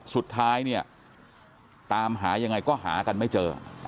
สุดท้ายเนี่ยตามหายังไงก็หากันไม่เจอ